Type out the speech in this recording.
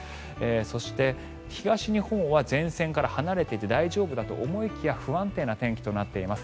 そして東日本は前線から離れていて大丈夫だと思いきや不安定な天気となっています。